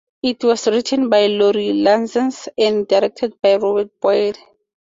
It was written by Lori Lansens, and directed by Robert Boyd.